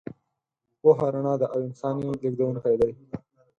پوهه رڼا ده او انسان یې لېږدونکی دی.